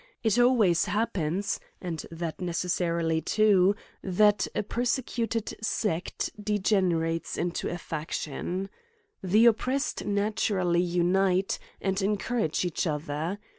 It always happens, and that necessarily too, that a persecu ted sect degenerates into a faction. The oppress ed naturally unite and encourage each other.